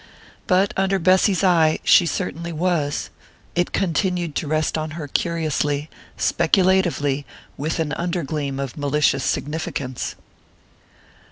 But under Bessy's eye she certainly was it continued to rest on her curiously, speculatively, with an under gleam of malicious significance.